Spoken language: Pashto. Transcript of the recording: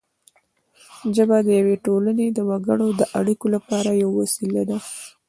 ژبه د یوې ټولنې د وګړو د اړیکو لپاره یوه وسیله ده